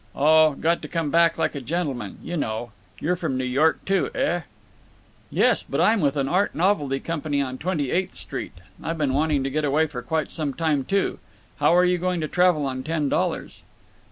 "Oh, got to come back like a gentleman. You know. You're from New York, too, eh?" "Yes, I'm with an art novelty company on Twenty eighth Street. I been wanting to get away for quite some time, too…. How are you going to travel on ten dollars?"